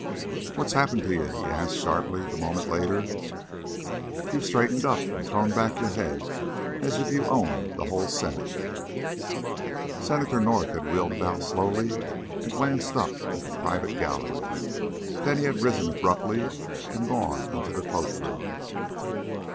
"What's happened to ye?" he asked sharply, a moment later. "You've straightened up and thrown back your head as if ye owned the hull Senate." Senator North had wheeled about slowly and glanced up at the private gallery. Then he had risen abruptly and gone into the cloak room.